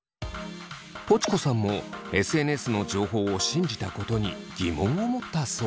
ポチコさんもＳＮＳの情報を信じたことに疑問を持ったそう。